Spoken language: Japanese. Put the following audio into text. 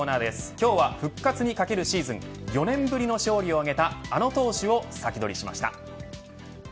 今日は、復活にかけるシーズン４年ぶりの勝利を挙げたあの投手をサキドリしました。